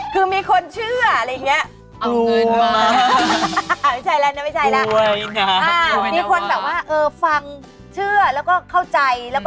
คือมีคนเชื่ออะไรอย่างเงี้ยเอาเงินมาไม่ใช่แล้วนะไม่ใช่แล้ว